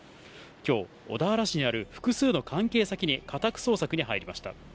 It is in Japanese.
きょう、小田原市にある複数の関係先に家宅捜索に入りました。